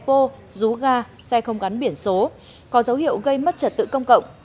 pô rú ga xe không gắn biển số có dấu hiệu gây mất trật tự công cộng